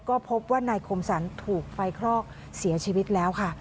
ก็พบว่านายคมสรรถูกไฟคลอกเสียชีวิตแล้วค่ะ